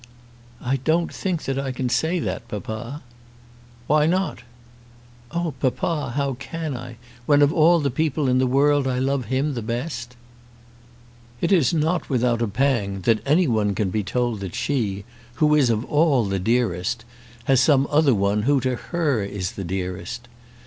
"I don't think that I can say that, papa." "Why not?" "Oh papa, how can I, when of all the people in the world I love him the best?" It is not without a pang that any one can be told that she who is of all the dearest has some other one who to her is the dearest.